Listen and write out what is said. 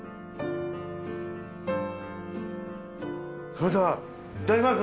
それではいただきます。